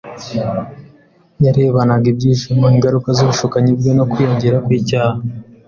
Yarebanaga ibyishimo ingaruka z’ubushukanyi bwe no kwiyongera kw’icyaha